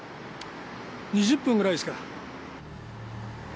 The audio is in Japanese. ２０分ぐらいですか。